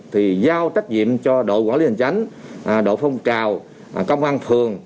thì giao trách nhiệm cho đội quản lý hành tránh đội phong trào công an phường